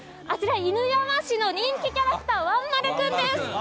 あちら、犬山市の人気キャラクター、わん丸君です。